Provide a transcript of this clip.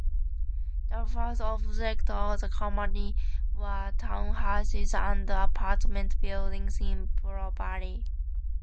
The first objects of the company were townhouses and apartment buildings in Brovary.